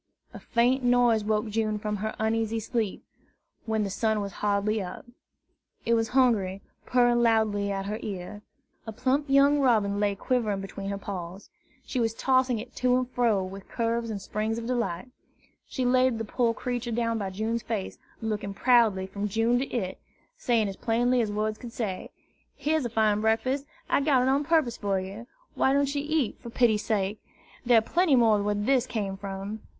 A faint noise woke June from her uneasy sleep, when the sun was hardly up. It was Hungry, purring loudly at her ear. A plump young robin lay quivering between her paws. She was tossing it to and fro with curves and springs of delight. She laid the poor creature down by June's face, looking proudly from June to it, saying as plainly as words could say, "Here's a fine breakfast. I got it on purpose for you. Why don't you eat, for pity's sake? There are plenty more where this came from!"